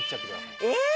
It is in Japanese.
えっ！